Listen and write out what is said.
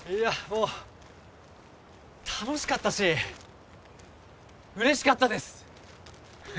もう楽しかったし嬉しかったです